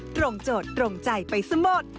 โจทย์ตรงใจไปซะหมด